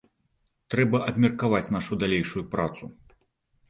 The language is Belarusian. Трэба абмеркаваць нашу далейшую працу.